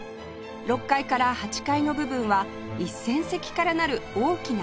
６階から８階の部分は１０００席からなる大きな劇場